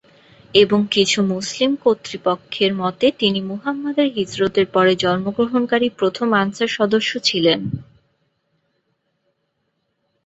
এবং কিছু মুসলিম কর্তৃপক্ষের মতে, তিনি মুহাম্মাদের হিজরতের পরে জন্মগ্রহণকারী প্রথম আনসার সদস্য ছিলেন।